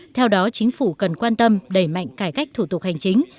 theo đó chính phủ cần quan tâm đẩy mạnh cải cách thủ tục hành chính